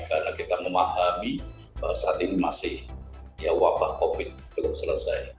karena kita memahami saat ini masih ya wabah covid sembilan belas belum selesai